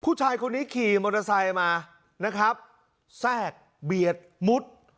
ผู้ชายคนนี้ขี่มอเตอร์ไซค์มานะครับแทรกเบียดมุด